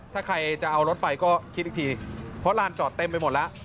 ถ้าใครจะเอารถไปก็คิดอีกทีเพราะลานจอดเต็มไปหมดแล้ว